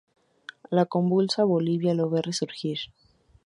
La convulsa Bolivia lo ve resurgir.